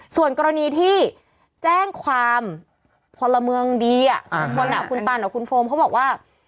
ส่วนกรณีที่แจ้งความพลเมืองดี๓คนคุณตันกับคุณโฟมเขาบอกว่า